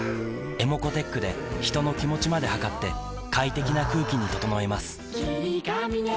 ｅｍｏｃｏーｔｅｃｈで人の気持ちまで測って快適な空気に整えます